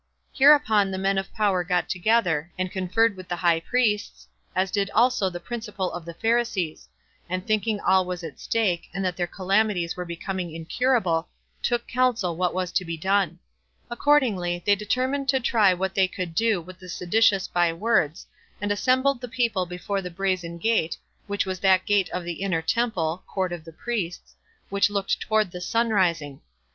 Hereupon the men of power got together, and conferred with the high priests, as did also the principal of the Pharisees; and thinking all was at stake, and that their calamities were becoming incurable, took counsel what was to be done. Accordingly, they determined to try what they could do with the seditious by words, and assembled the people before the brazen gate, which was that gate of the inner temple [court of the priests] which looked toward the sun rising.